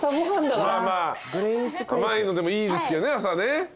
まあまあ甘いのでもいいですけど朝ね。